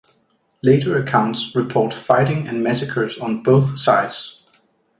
Later accounts report fighting and massacres on both sides.